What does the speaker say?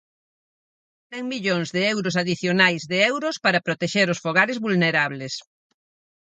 Cen millóns de euros adicionais de euros para protexer os fogares vulnerables.